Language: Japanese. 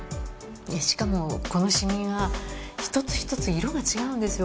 しかもこのシミが１つ１つ色が違うんですよ。